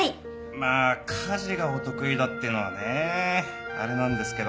まあ家事がお得意だっていうのはねあれなんですけど。